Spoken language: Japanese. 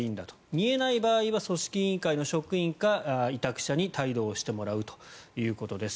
見えない場合は組織委員会の職員か委託者に帯同してもらうということです。